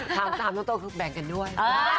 ถามตรงก็แบ่งกันด้วย